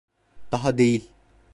Daha değil.